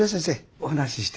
お話しして。